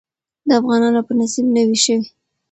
د افغانانو په نصيب نوى شوې.